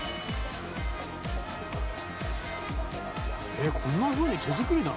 えっこんなふうに手作りなの？